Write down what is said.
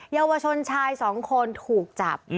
เยาวชนชายสองคนถูกจับ